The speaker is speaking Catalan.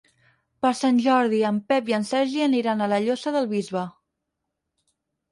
Per Sant Jordi en Pep i en Sergi aniran a la Llosa del Bisbe.